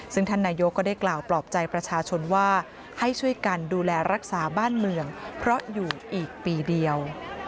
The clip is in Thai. ซึ่งท่านนายกก็ได้กล่าวปลอบใจประชาชนว่าให้ช่วยกันดูแลรักษาบ้านเมืองเพราะอยู่อีกปีเดียว